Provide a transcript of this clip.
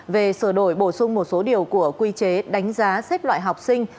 về sửa đổi bổ sung một số điều của quy chế đánh giá xếp loại học sinh